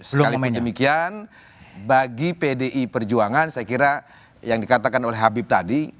sekalipun demikian bagi pdi perjuangan saya kira yang dikatakan oleh habib tadi